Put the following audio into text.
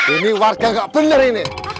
ini warga gak bener ini